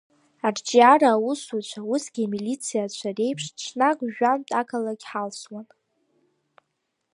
Арҿиара аусзуҩцәа, усгьы амилициацәа реиԥш, ҽнак жәантә ақалақь ҳалсуан.